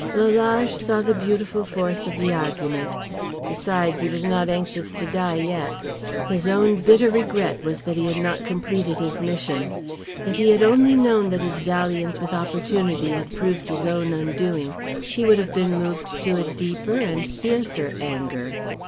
Lalage saw the beautiful force of the argument. Besides, he was not anxious to die yet. His own bitter regret was that he had not completed his mission. If he had only known that his dalliance with opportunity had proved his own undoing he would have been moved to a deeper and fiercer anger.